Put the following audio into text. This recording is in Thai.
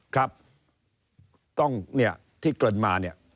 ครับต้องเนี่ยที่เกินมาเนี่ย